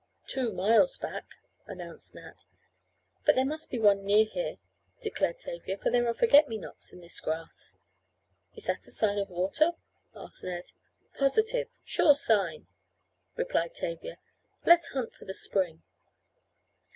"Two miles back," announced Nat. "But there must be one near here," declared Tavia, "for there are forget me nots in this grass." "Is that a sign of water?" asked Ned. "Positive sure sign," replied Tavia. "Let's hunt for the spring."